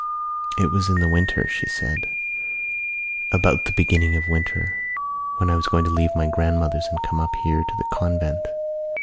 "It was in the winter," she said, "about the beginning of the winter when I was going to leave my grandmother's and come up here to the convent.